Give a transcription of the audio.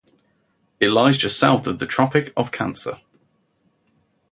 It lies just south of the Tropic of Cancer.